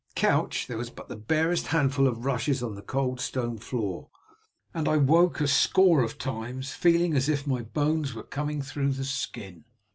Couch! there was but the barest handful of rushes on the cold stone floor, and I woke a score of times feeling as if my bones were coming through the skin."